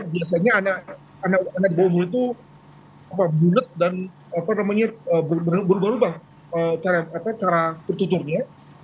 biasanya anak di bawah umur itu bulet dan berubah ubah cara tertuturnya